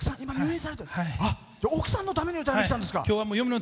奥さんのために歌いに来たんですか。